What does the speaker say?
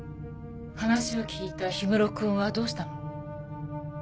話を聞いた氷室くんはどうしたの？